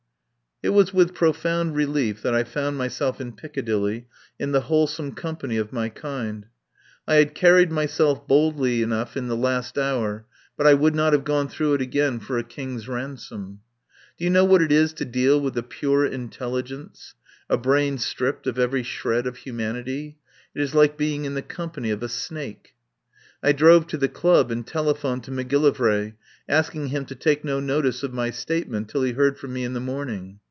It was with profound relief that I found myself in Piccadilly in the wholesome com pany of my kind. I had carried myself boldly 203 THE POWER HOUSE enough in the last hour, but I would not have gone through it again for a king's ransom. Do you know what it is to deal with a pure intelligence, a brain stripped of every shred of humanity? It is like being in the company of a snake. I drove to the club and telephoned to Mac gillivray, asking him to take no notice of my statement till he heard from me in the morn ing.